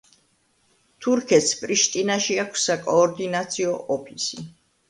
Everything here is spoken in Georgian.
თურქეთს პრიშტინაში აქვს საკოორდინაციო ოფისი.